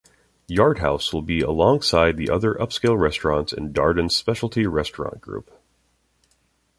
Yard House will be alongside the other upscale restaurants in Darden's Specialty Restaurant Group.